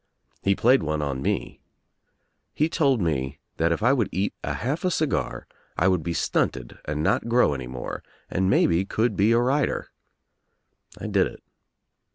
He played one on me. He told me that if I would eat a half a cigar I would be stunted and not grow any more and maybe could be a rider. I did It.